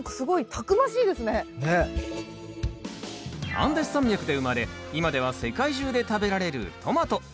アンデス山脈で生まれ今では世界中で食べられるトマト。